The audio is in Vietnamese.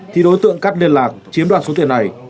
thì đối tượng cắt liên lạc chiếm đoạt số tiền này